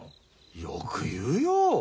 よく言うよ。